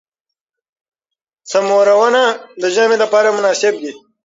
سمورونه د ژمي لپاره مناسب دي.